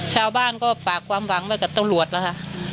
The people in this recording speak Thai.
ชาวบ้านก็ฝากความหวังไว้กับตำรวจแล้วค่ะ